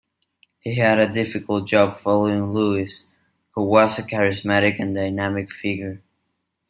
He had a difficult job following Lewis, who was a charismatic and dynamic figure.